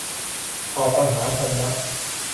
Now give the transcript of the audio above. ตอบปัญหาธรรมะ